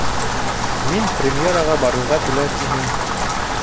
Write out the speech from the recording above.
Мин премьераға барырға теләр инем